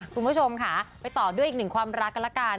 คุณผู้ชมค่ะไปต่อด้วยอีกหนึ่งความรักกันละกัน